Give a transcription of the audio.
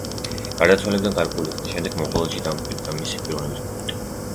გარდაცვალებიდან გარკვეული ხნის შემდეგ მონღოლეთში დამკვიდრდა მისი პიროვნების კულტი.